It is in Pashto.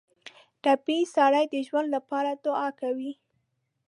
ټپي سړی د ژوند لپاره دعا کوي.